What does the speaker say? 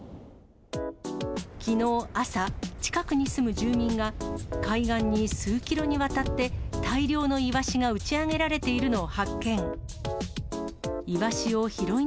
きのう朝、近くに住む住民が、海岸に数キロにわたって大量のイワシが打ち上げられているのを発見。